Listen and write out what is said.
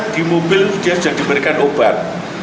di mobil dia sudah diberikan obat